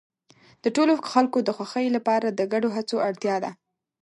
د ټولو خلکو د خوښۍ لپاره د ګډو هڅو اړتیا ده.